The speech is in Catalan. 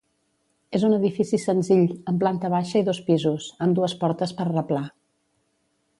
És un edifici senzill amb planta baixa i dos pisos, amb dues portes per replà.